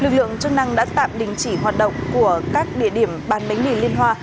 lực lượng chức năng đã tạm đình chỉ hoạt động của các địa điểm bán bánh mì liên hoa